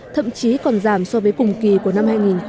thậm chí còn giảm so với cùng kỳ của năm hai nghìn một mươi tám